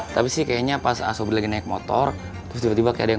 tapi sih kayaknya pas asobe lagi naik motor terus tiba tiba kayak ada yang